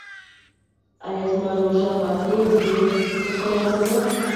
ایا زما روژه ماتیږي که ستنه ولګوم؟